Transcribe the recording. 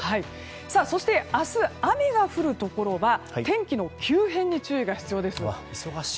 そして明日、雨が降るところは天気の急変に注意が必要です。